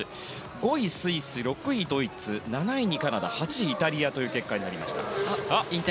５位、スイス６位、ドイツ７位にカナダ８位にイタリアとなりました。